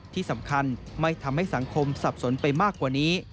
ที่สำคัญไม่ทำให้สังคมสับสนไปมากกว่านี้